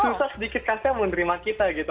susah sedikit kafe menerima kita gitu